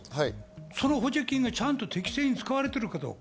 その補助金がちゃんと適正に使われてるかどうか。